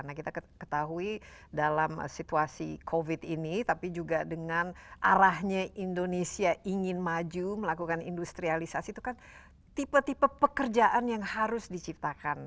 nah kita ketahui dalam situasi covid ini tapi juga dengan arahnya indonesia ingin maju melakukan industrialisasi itu kan tipe tipe pekerjaan yang harus diciptakan